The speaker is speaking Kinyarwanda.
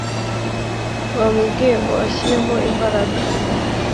yamubwiye ngo ashiremo imbaraga